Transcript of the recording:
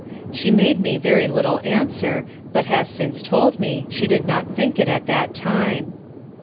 She made me very little answer, but has since told me, she did not think it at that time.